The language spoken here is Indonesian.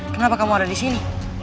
kenapa kamu ada di sini